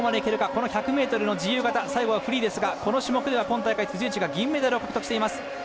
この１００ｍの自由形最後はフリーですがこの種目では今大会辻内が銀メダルを獲得しています。